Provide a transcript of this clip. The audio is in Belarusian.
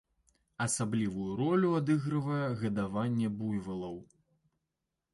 Асаблівую ролю адыгрывае гадаванне буйвалаў.